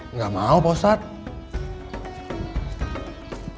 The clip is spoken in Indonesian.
nggak mau pak ustaz